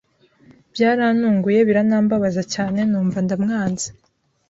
Byarantunguye biranambabaza cyane numva ndamwanze